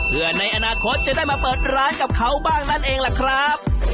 เพื่อในอนาคตจะได้มาเปิดร้านกับเขาบ้างนั่นเองล่ะครับ